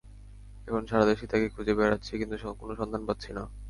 এখন সারা দেশেই তাকে খুঁজে বেড়াচ্ছি, কিন্তু কোনো সন্ধান পাচ্ছি না।